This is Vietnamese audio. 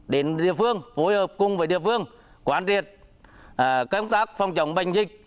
đến địa phương phối hợp cùng với địa phương quản triệt các công tác phòng chống bệnh dịch